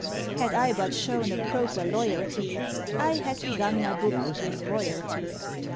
Had I but shown a proper loyalty, I had begun my book with royalty.